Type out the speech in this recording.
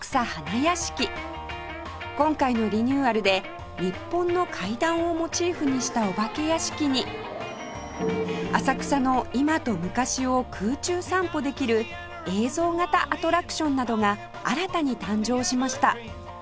今回のリニューアルで日本の怪談をモチーフにしたお化け屋敷に浅草の今と昔を空中散歩できる映像型アトラクションなどが新たに誕生しました